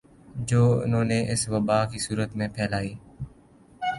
جو انھوں نے اس وبا کی صورت میں پھیلائی